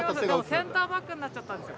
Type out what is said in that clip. センターバックになっちゃったんですよ。